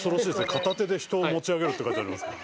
「片手で人をもち上げる」って書いてありますから。